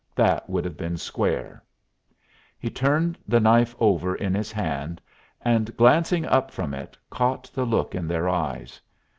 That would have been square." He turned the knife over in his hand, and, glancing up from it, caught the look in their eyes.